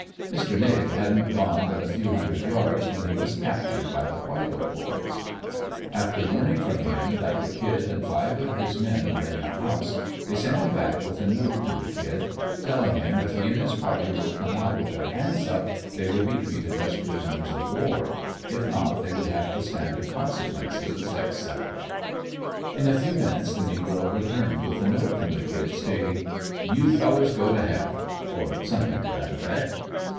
Mr. "Nig" hadn't gone but a few hundred yards when he was captured by the White Oaks boys. After learning from him that the "Kid" and five of his men were in the house they sent him back with a note to the "Kid," telling him if he and his party would come out with their hands up they would be treated as prisoners of war; if not they would have to stand the consequences, etc. In a few minutes the negro returned with a note from the "Kid," stating: "You fellers go to h l!" or something to that effect.